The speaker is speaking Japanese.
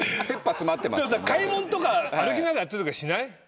でもさ買いもんとか歩きながらやったりとかしない？